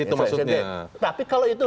itu presiden tapi kalau itu